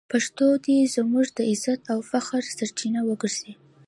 پښتو دې زموږ د عزت او فخر سرچینه وګرځي.